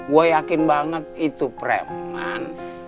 gue yakin banget itu preman